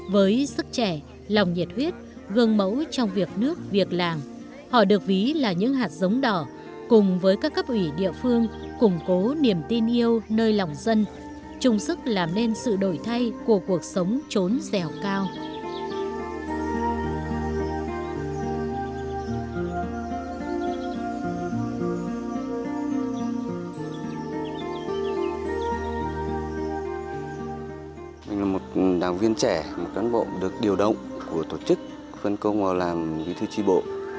với sức trẻ lòng nhiệt huyết gương mẫu trong việc nước việc làng họ được ví là những hạt giống đỏ cùng với các cấp ủy địa phương củng cố niềm tin yêu nơi lòng dân trung sức làm nên sự đổi thay của cuộc sống trốn dẻo cao